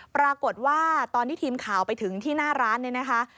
ปรากฏว่าตอนที่ทีมข่าวไปถึงที่หน้าร้านนี่นะคะ